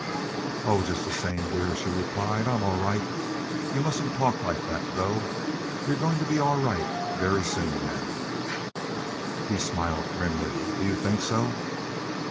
"Oh, just the same, dear," she replied. "I'm all right. You mustn't talk like that, though. You're going to be all right very soon now." He smiled grimly. "Do you think so?"